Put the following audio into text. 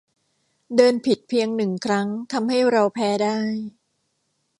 เดินผิดเพียงหนึ่งครั้งทำให้เราแพ้ได้